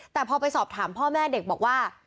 แต่พอไปสอบถามพ่อแม่เด็กบอกว่า